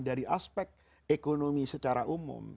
dari aspek ekonomi secara umum